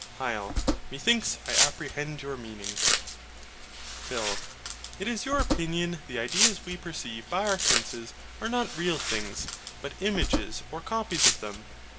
HYL. Methinks I apprehend your meaning. PHIL. It is your opinion the ideas we perceive by our senses are not real things, but images or copies of them.